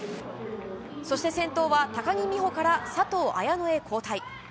そして先頭は、高木美帆から佐藤綾乃へ交代。